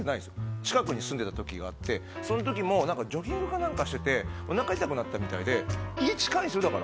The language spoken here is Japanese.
近くに住んでたときがあって、そのときもなんか、ジョギングかなんかしてて、おなか痛くなったみたいで、家近いんですよ、だから。